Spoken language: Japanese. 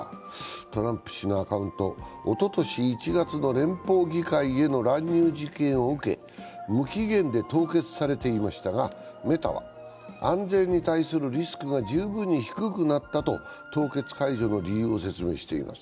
トランプ氏のアカウント、おととし１月の連邦議会への乱入事件を受け、無期限で凍結されていましたがメタは、安全に対するリスクが十分に低くなったと凍結解除の理由を説明しています。